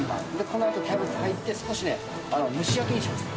このあとキャベツ入って少しね蒸し焼きにします。